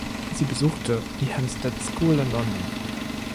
Sie besuchte die Hampstead School in London.